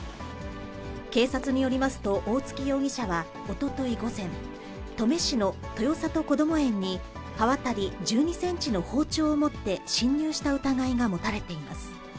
警察によりますと、大槻容疑者はおととい午前、登米市の豊里こども園に刃渡り１２センチの包丁を持って、侵入した疑いが持たれています。